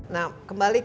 nah kembali ke lima g